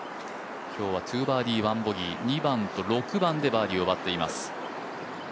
今日は２バーディー、１ボギー２番と６番でバーディーを奪っています。